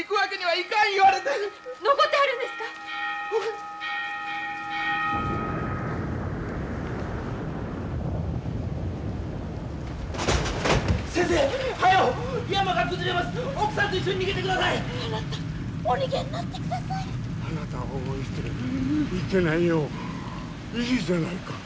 いいじゃないか。